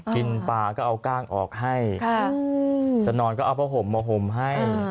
กินปลาก็เอากล้างออกให้สนอนก็เอาผ้าห่มมาห่มให้